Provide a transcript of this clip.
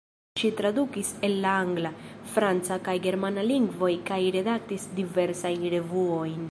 Ŝi tradukis el la angla, franca kaj germana lingvoj kaj redaktis diversajn revuojn.